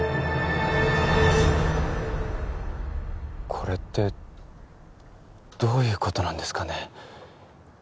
これってどういうことなんですかね？